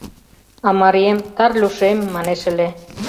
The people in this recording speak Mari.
А марием «Тарлюшем» манеш ыле.